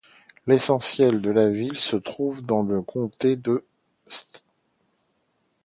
L'essentiel de la ville se trouve dans le comté de St.